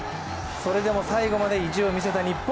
それでも最後まで意地を見せた日本。